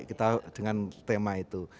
kita dengan tema itu